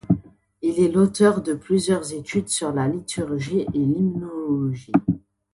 Il est l'auteur de plusieurs études sur la liturgie et l'hymnologie.